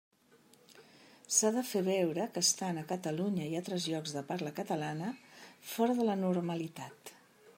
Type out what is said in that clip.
S'ha de fer veure que estan, a Catalunya i a altres llocs de parla catalana, fora de la normalitat.